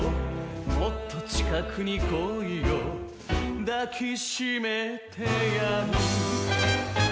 「もっと近くに来いよ抱きしめてやる」